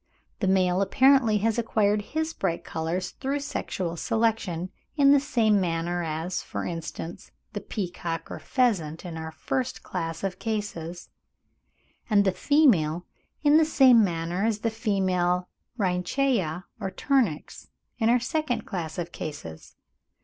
The male apparently has acquired his bright colours through sexual selection in the same manner as, for instance, the peacock or pheasant in our first class of cases; and the female in the same manner as the female Rhynchaea or Turnix in our second class of cases.